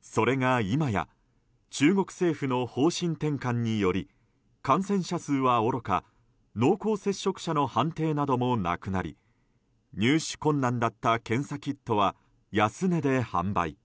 それが今や中国政府の方針転換により感染者数はおろか濃厚接触者の判定などもなくなり入手困難だった検査キットは安値で販売。